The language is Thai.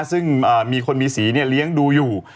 ซึ่งมีคนมีสีเลี้ยงดูอยู่